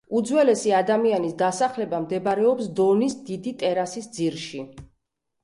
უძველესი ადამიანის დასახლება მდებარეობს დონის დიდი ტერასის ძირში.